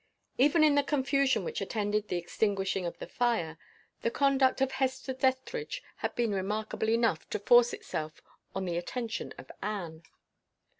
Even in the confusion which attended the extinguishing of the fire, the conduct of Hester Dethridge had been remarkable enough to force itself on the attention of Anne.